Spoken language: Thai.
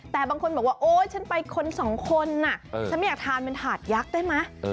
แต่บางคนบอกว่าโอ๊ยฉันไปคนสองคนฉันไม่อยากทานเป็นถาดยักษ์ได้ไหม